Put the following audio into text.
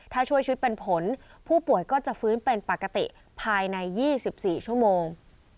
ถ้าช่วยชีวิตเป็นผลผู้ป่วยก็จะฟื้นเป็นปกติภายใน๒๔ชั่วโมง